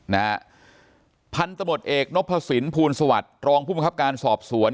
นะฮะพันธุ์ตะหมดเอกนพสินภูลสวรรค์รองผู้มันครับการสอบสวน